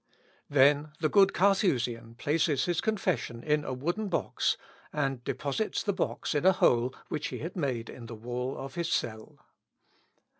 Then the good Carthusian places his confession in a wooden box, and deposits the box in a hole which he had made in the wall of his cell.